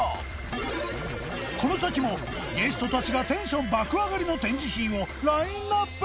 この先もゲストたちがテンション爆上がりの展示品をラインアップ！